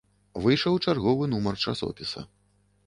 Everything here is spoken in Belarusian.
Выйшаў чарговы нумар часопіса.